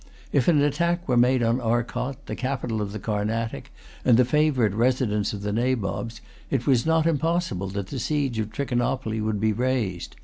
If an attack were made on Arcot, the capital of the Carnatic, and the favourite residence of the Nabobs, it was not impossible that the siege of Trichinopoly would be raised.